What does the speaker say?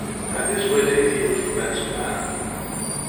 At this wedding he was the best man.